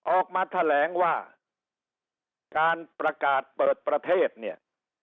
ออกมาแถลงว่าการประกาศเปิดประเทศเนี่ย